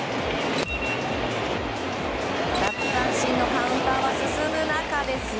奪三振のカウンターは進む中。